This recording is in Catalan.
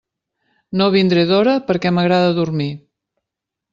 No vindré d'hora perquè m'agrada dormir.